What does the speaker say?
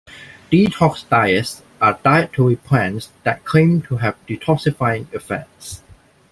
Detox diets are dietary plans that claim to have detoxifying effects.